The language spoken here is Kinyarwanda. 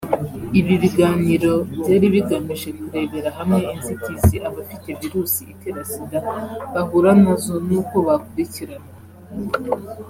Ibi biganiro byari bigamije kurebera hamwe inzitizi abafite virusi itera sida bahura nazo n’uko bakurikiranwa